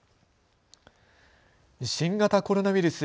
新型コロナウイルス。